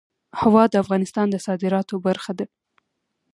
هوا د افغانستان د صادراتو برخه ده.